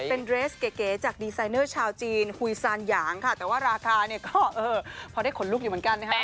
เป็นเรสเก๋จากดีไซเนอร์ชาวจีนหุยซานหยางค่ะแต่ว่าราคาเนี่ยก็พอได้ขนลุกอยู่เหมือนกันนะครับ